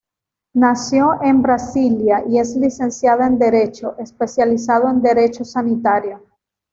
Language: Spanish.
Nació en Brasilia y es licenciada en derecho, especializado en Derecho Sanitario.